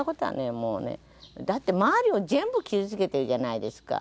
もうねだって周りを全部傷つけてるじゃないですか。